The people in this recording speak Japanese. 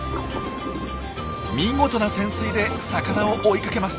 見事な潜水で魚を追いかけます。